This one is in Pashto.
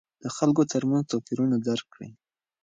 د خلکو ترمنځ توپیرونه درک کړئ.